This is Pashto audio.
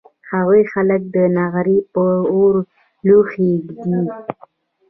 هغوی خلک د نغري په اور لوښي اېږدي